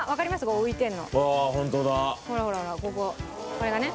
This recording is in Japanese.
これがね。